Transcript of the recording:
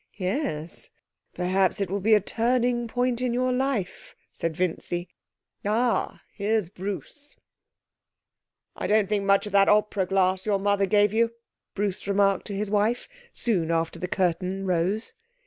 'Yes, perhaps it will be the turning point of your life,' said Vincy. 'Ah! here's Bruce.' 'I don't think much of that opera glass your mother gave you,' Bruce remarked to his wife, soon after the curtain rose.